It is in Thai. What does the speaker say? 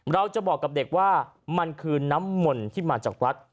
เราจะบอกกับเด็กว่ามันคือน้ำมนต์ที่มาจากวัด